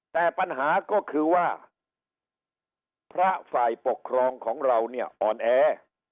แต่ปัญหาก็คือว่าพระฝ่ายปกครองของเราเนี่ยอ่อนแอ